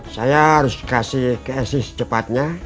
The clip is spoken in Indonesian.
saya harus dikasih keesis cepatnya